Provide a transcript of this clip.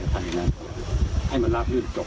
การทำให้มันตามกฎหมายจะพูดมาก